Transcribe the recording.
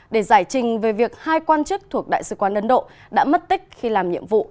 để giải trình về việc hai quan chức thuộc đại sứ quán ấn độ đã mất tích khi làm nhiệm vụ